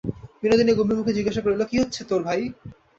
বিনোদিনী গম্ভীরমুখে জিজ্ঞাসা করিল, কী হচ্ছে তোর, ভাই!